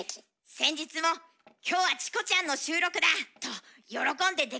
「先日も『今日はチコちゃんの収録だ』と喜んで出かけていきました」。